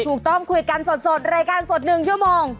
ถูกต้องคุยกันสดรายการสด๑ชั่วโมง